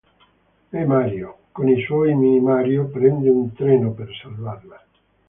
E Mario, con i suoi Mini-Mario, prende un treno per salvarla.